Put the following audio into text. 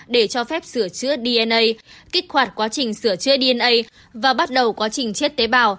để cho phép sửa chữa dna kích hoạt quá trình sửa chữa dna và bắt đầu quá trình chết tế bào